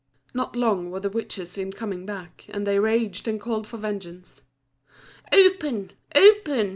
Not long were the witches in coming back, and they raged and called for vengeance. "Open! open!"